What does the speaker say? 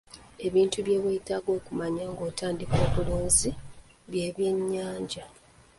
Ebintu bye weetaaga okumanya ng'otandika obulunzi bw'ebyennyanja.